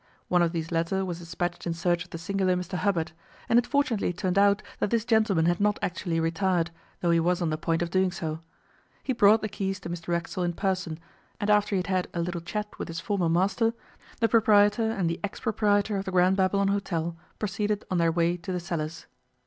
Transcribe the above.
One of these latter was despatched in search of the singular Mr Hubbard, and it fortunately turned out that this gentleman had not actually retired, though he was on the point of doing so. He brought the keys to Mr Racksole in person, and after he had had a little chat with his former master, the proprietor and the ex proprietor of the Grand Babylon Hôtel proceeded on their way to the cellars.